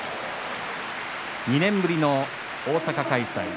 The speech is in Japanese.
２年ぶりの大阪開催。